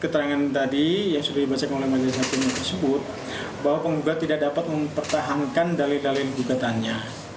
tadi yang sudah dibacak oleh majelis hakim tersebut bahwa penggugat tidak dapat mempertahankan dalih dalih gugatannya